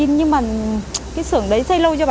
in nhưng mà cái xưởng đấy xây lâu chưa bà